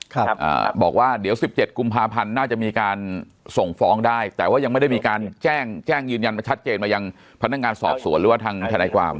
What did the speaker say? ครับอ่าบอกว่าเดี๋ยวสิบเจ็ดกุมภาพันธ์น่าจะมีการส่งฟ้องได้แต่ว่ายังไม่ได้มีการแจ้งแจ้งยืนยันมาชัดเจนมายังพนักงานสอบสวนหรือว่าทางทนายความ